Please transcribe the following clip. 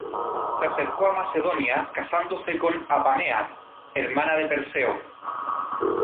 Se acercó a Macedonia casándose con Apamea, hermana de Perseo.